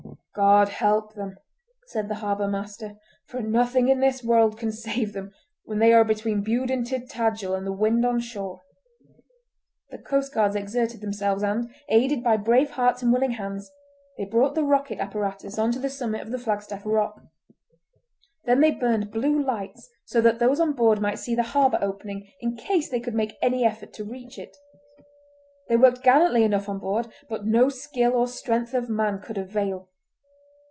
"God help them!" said the harbour master, "for nothing in this world can save them when they are between Bude and Tintagel and the wind on shore!" The coastguards exerted themselves, and, aided by brave hearts and willing hands, they brought the rocket apparatus up on the summit of the Flagstaff Rock. Then they burned blue lights so that those on board might see the harbour opening in case they could make any effort to reach it. They worked gallantly enough on board; but no skill or strength of man could avail.